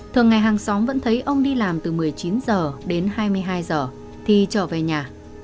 thường ngày hàng xóm vẫn thấy ông đi làm từ một mươi chín h đến hai mươi hai h thì trở về nhà